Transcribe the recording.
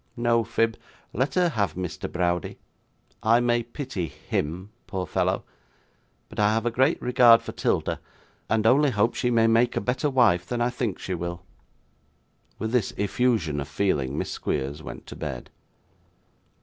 No, Phib. Let her have Mr. Browdie. I may pity HIM, poor fellow; but I have a great regard for 'Tilda, and only hope she may make a better wife than I think she will.' With this effusion of feeling, Miss Squeers went to bed.